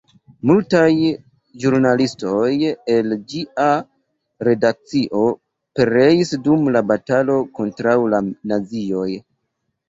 Multaj ĵurnalistoj el ĝia redakcio pereis dum la batalo kontraŭ la nazioj.